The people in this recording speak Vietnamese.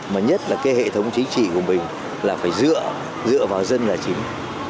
mà nhất là cái hệ thống chính trị của mình là phải dựa vào dân là chính